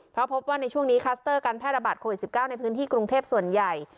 เพราะพบว่าในช่วงนี้คลัสเตอร์การแพร่ระบาดโควิด๑๙ในพื้นที่กรุงเทพส่วนใหญ่